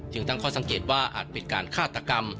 ตั้งข้อสังเกตว่าอาจเป็นการฆาตกรรม